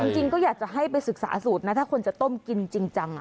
จริงก็อยากจะให้ไปศึกษาสูตรนะถ้าคนจะต้มกินจริงจัง